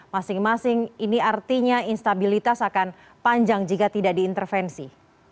masing masing ini artinya instabilitas akan panjang jika tidak diintervensi